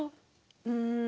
うん。